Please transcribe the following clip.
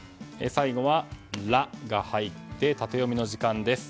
最後は「ラ」が入ってタテヨミの時間です。